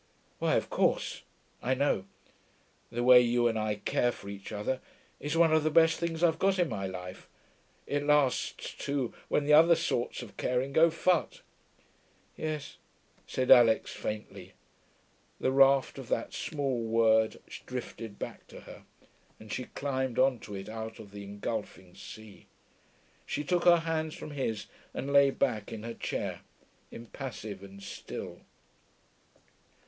'Why, of course I know. The way you and I care for each other is one of the best things I've got in my life. It lasts, too, when the other sorts of caring go phut....' 'Yes,' said Alix faintly. The raft of that small word drifted back to her, and she climbed on to it out of the engulfing sea. She took her hands from his and lay back in her chair, impassive and still.